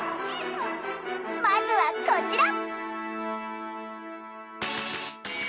まずはこちら！